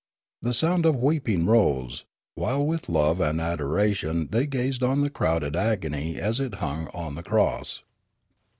The sound of weeping rose, while with love and adoration they gazed on the crowned agony as it hung on the cross.